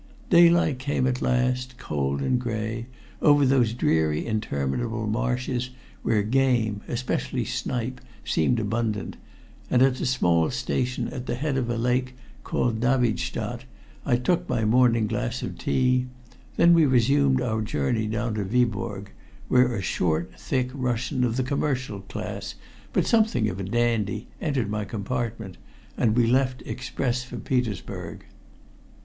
Daylight came at last, cold and gray, over those dreary interminable marshes where game, especially snipe, seemed abundant, and at a small station at the head of a lake called Davidstadt I took my morning glass of tea; then we resumed our journey down to Viborg, where a short, thick set Russian of the commercial class, but something of a dandy, entered my compartment, and we left express for Petersburg.